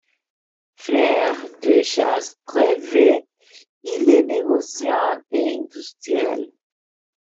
Frère de Charles Prévet, il est négociant et industriel.